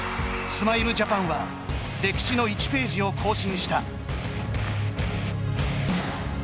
スマイルジャパンは歴史の１ページを更新した。